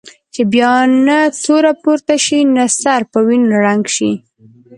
چې بیا نه توره پورته شي نه سر په وینو رنګ شي.